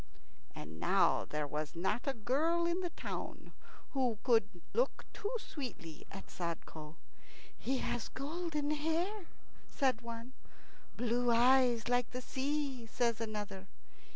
And now there was not a girl in the town who could look too sweetly at Sadko. "He has golden hair," says one. "Blue eyes like the sea," says another.